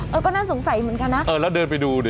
เออก็น่าสงสัยเหมือนกันนะเออแล้วเดินไปดูดิ